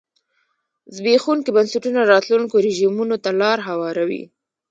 زبېښونکي بنسټونه راتلونکو رژیمونو ته لار هواروي.